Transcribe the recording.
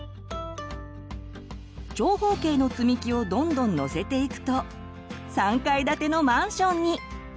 長方形のつみきをどんどんのせていくと３階建てのマンションに！